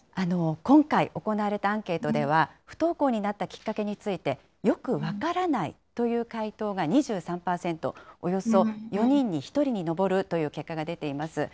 今回、行われたアンケートでは、不登校になったきっかけについて、よく分からないという回答が２３％、およそ４人に１人に上るという結果が出ています。